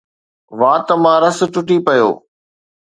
وات مان رس ٽٽي پيو